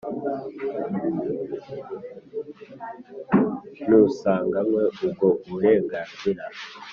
n usanganywe ubwo burenganzira